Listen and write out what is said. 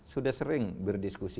sudah sering berdiskusi